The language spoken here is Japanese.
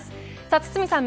堤さん